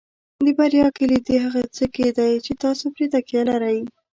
د بریا کلید د هغه څه کې دی چې تاسو پرې تکیه لرئ.